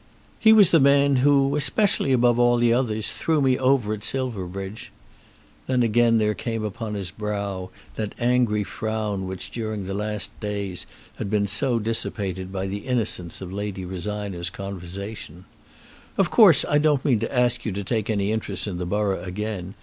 "He was the man who especially, above all others, threw me over at Silverbridge." Then again there came upon his brow that angry frown which during the last few days had been dissipated by the innocence of Lady Rosina's conversation. "Of course I don't mean to ask you to take any interest in the borough again.